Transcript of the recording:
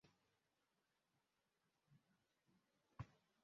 Ekifo we yaziikibwa ne watuumwa Kibwa.